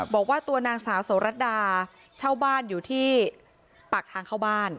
บอกว่าตัวนางสาวโสรัตดาเช่าบ้านอยู่ที่ปากทางเข้าบ้าน